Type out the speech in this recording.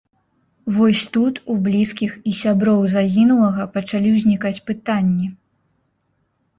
Вось тут у блізкіх і сяброў загінулага пачалі ўзнікаць пытанні.